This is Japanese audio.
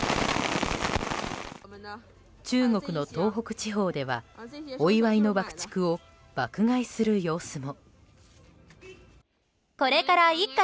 中国の東北地方ではお祝いの爆竹を爆買いする様子も。